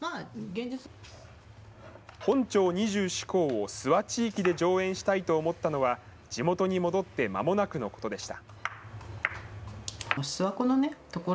本朝廿四孝を諏訪地域で上演したいと思ったのは、地元に戻ってまもなくのことでした。